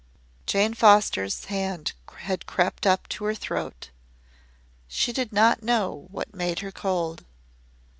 Jane Foster's hand had crept up to her throat. She did not know what made her cold.